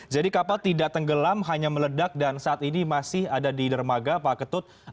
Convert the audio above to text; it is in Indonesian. jadi kapal tidak tenggelam hanya meledak dan saat ini masih ada di dermaga pak ketut